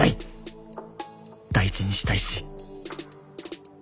大事にしたいし。